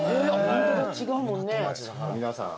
皆さん